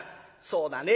「そうだね。